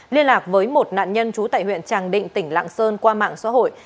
liên lạc với một nạn nhân trú tại huyện tràng định tỉnh lạng sơn qua mạng xã hội